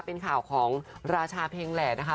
เป็นข่าวของราชาเพลงแหล่นะคะ